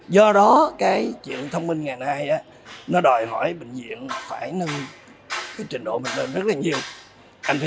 qua đó cải thiện chất lượng phục vụ của ngành